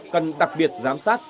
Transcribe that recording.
cần đặc biệt giám sát